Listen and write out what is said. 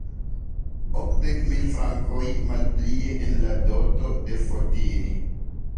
Okdek mil frankoj malplie en la doto de Fotini?